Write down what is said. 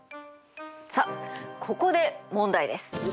さあここで問題です！